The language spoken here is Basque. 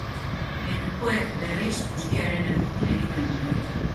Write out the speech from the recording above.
Lekukoek, berriz, guztiaren errudun egiten dute.